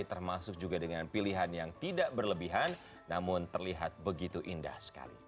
termasuk juga dengan pilihan yang tidak berlebihan namun terlihat begitu indah sekali